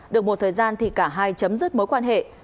được một thời gian thì cả hai chấm dứt mối quan hệ